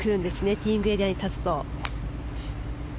ティーイングエリアに立つと。